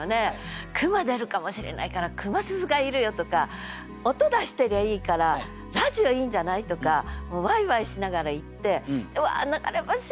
「熊出るかもしれないから熊鈴がいるよ」とか「音出してりゃいいからラヂオいいんじゃない？」とかもうワイワイしながら行って「うわ流れ星きれい」とかって